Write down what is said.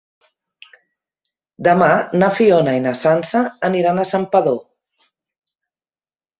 Demà na Fiona i na Sança aniran a Santpedor.